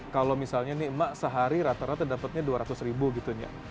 kalau misalnya nih emak sehari rata rata dapatnya dua ratus ribu gitu ya